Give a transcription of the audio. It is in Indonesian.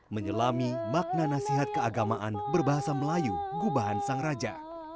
menyelami makna nasihat keagamaan berbahasa melayu gubahan sang raja